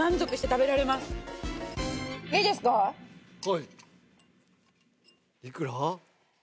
いくら？